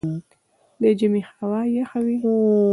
د ژمي هوا یخه وي